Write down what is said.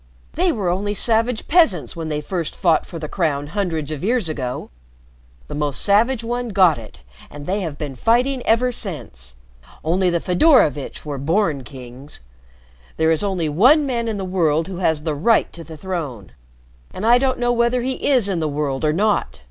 "They were only savage peasants when they first fought for the crown hundreds of years ago. The most savage one got it, and they have been fighting ever since. Only the Fedorovitch were born kings. There is only one man in the world who has the right to the throne and I don't know whether he is in the world or not.